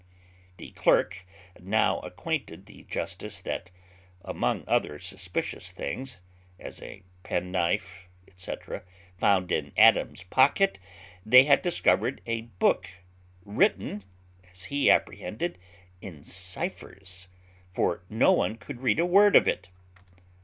The clerk now acquainted the justice that among other suspicious things, as a penknife, &c., found in Adams's pocket, they had discovered a book written, as he apprehended, in cyphers; for no one could read a word in it.